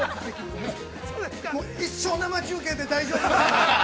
◆もう一生、生中継で大丈夫ですので。